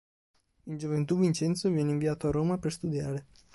In gioventù Vincenzo viene inviato a Roma per studiare.